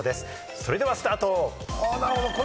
それではスタート。